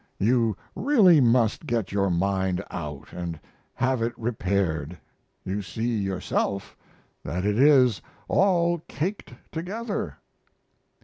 You really must get your mind out and have it repaired; you see yourself that it is all caked together.